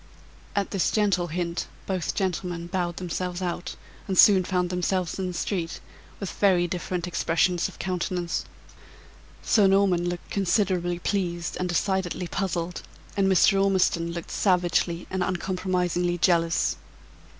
At this gentle hint, both gentlemen bowed themselves out, and soon found themselves in the street, with very different expressions of countenance. Sir Norman looking considerably pleased and decidedly puzzled, and Mr. Ormiston looking savagely and uncompromisingly jealous.